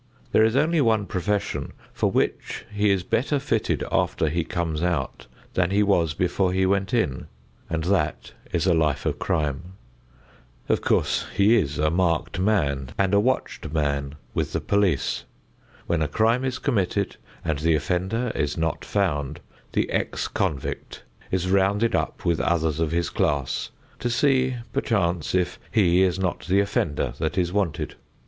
There is only one profession for which he is better fitted after he comes out than he was before he went in, and that is a life of crime. Of course, he is a marked man and a watched man with the police. When a crime is committed and the offender is not found, the ex convict is rounded up with others of his class to see, perchance, if he is not the offender that is wanted.